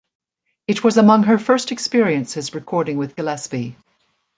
It was among her first experiences recording with Gillespie.